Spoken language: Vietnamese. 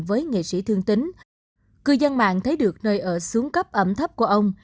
với nghệ sĩ thương tính cư dân mạng thấy được nơi ở xuống cấp ẩm thấp của ông